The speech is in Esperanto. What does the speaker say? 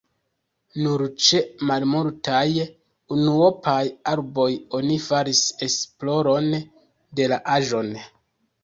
Nur ĉe malmultaj unuopaj arboj oni faris esploron de la aĝon.